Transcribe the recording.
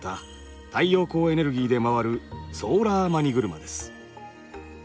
太陽光エネルギーで回るソーラーマニ車です。